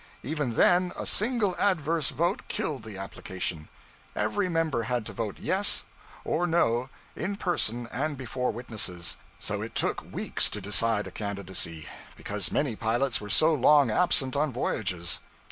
Even then a single adverse vote killed the application. Every member had to vote 'Yes' or 'No' in person and before witnesses; so it took weeks to decide a candidacy, because many pilots were so long absent on voyages.